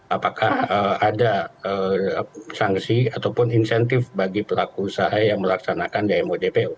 apakah ada sanksi ataupun insentif bagi pelaku usaha yang melaksanakan dmo jpo